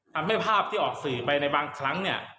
ภาพที่ออกสื่อไปในบางครั้งเนี่ย